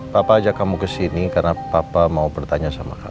papa ajak kamu ke sini karena papa mau bertanya sama kamu